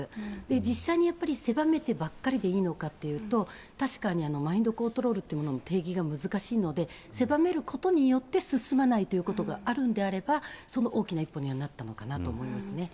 実際にやっぱり、狭めてばっかりでいいのかというと、確かにマインドコントロールというものの定義が難しいので、狭めることによって、進まないということがあるんであれば、その大きな一歩にはなったのかなと思いますね。